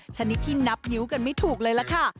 ชนิดที่นับนิ้วกันไม่ถูกเลยล่ะค่ะ